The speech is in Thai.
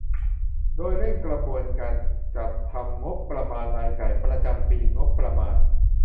โดยเร่งกระบวนการจัดทำงบประมาณรายจ่ายประจำปีงบประมาณ